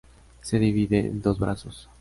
Se divide en dos brazos.